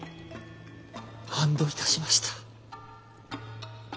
安堵いたしました。